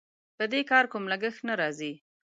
په دې کار کوم لګښت نه راځي.